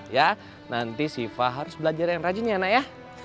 ya nanti siva harus belajar yang rajin ya nak ya